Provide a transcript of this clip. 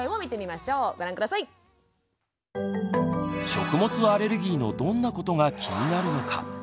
食物アレルギーのどんなことが気になるのか？